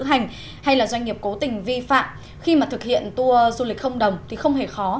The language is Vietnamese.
hành hay là doanh nghiệp cố tình vi phạm khi mà thực hiện tour du lịch không đồng thì không hề khó